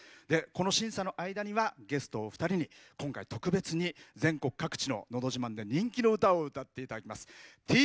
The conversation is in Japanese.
この審査の間にはゲストお二人に今回特別に全国各地の「のど自慢」で人気の歌を歌っていただきます。